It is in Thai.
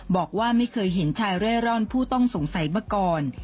บอกว่าไม่เคยเห็นชายเร่ร่อนผู้ต้องสงสัยมาก่อน